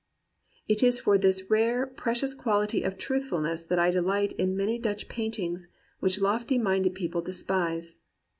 "It is for this rare, precious quality of truthful ness that I delight in many Dutch paintings, which lofty minded people despise.